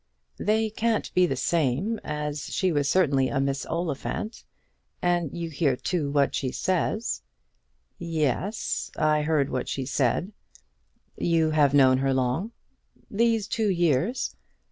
"They can't be the same, as she was certainly a Miss Oliphant. And you hear, too, what she says." "Yes; I heard what she said. You have known her long?" "These two years."